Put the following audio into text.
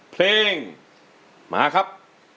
เพลงมาครับ